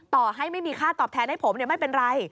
ต่อให้ไม่มีค่าตอบแทนให้ผมไม่เป็นไร